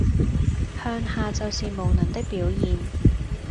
向下就是無能的表現